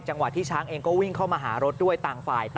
ที่ช้างเองก็วิ่งเข้ามาหารถด้วยต่างฝ่ายต่าง